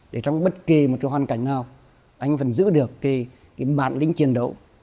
để trong bất kỳ một cái hoàn cảnh nào anh vẫn giữ được cái bản lĩnh chiến đấu